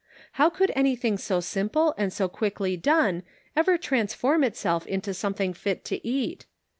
How could anything so simple and so quickly done ever transform itself into something fit to eat?